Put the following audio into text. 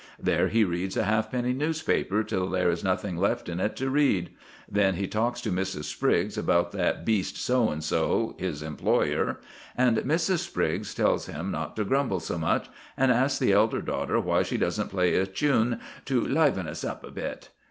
There he reads a halfpenny newspaper till there is nothing left in it to read; then he talks to Mrs. Spriggs about that beast So and so, his employer; and Mrs. Spriggs tells him not to grumble so much, and asks the elder daughter why she doesn't play a chune to 'liven us up a bit.